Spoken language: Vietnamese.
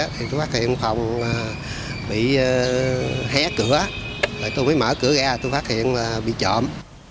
tôi phát hiện phòng bị hé cửa tôi mới mở cửa ra tôi phát hiện bị trộm